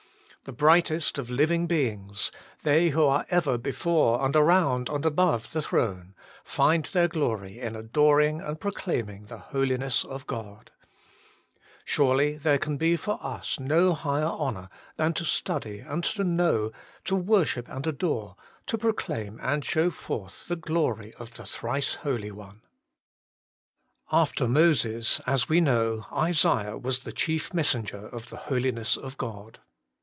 The brightest of living beings, they who are ever before and around and above the throne, find their glory in adoring and proclaiming the Holiness of God: surely there can be for us no higher honour than to study and to know, to worship and adore, to proclaim and show forth the glory of the Thrice Holy One. After Moses, as we know, Isaiah was the chief 108 HOLY IN CHRIST. messenger of the Holiness of God.